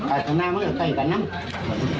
อาศนามันจะใส่กันนั้น